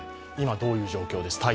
今、どういう状況です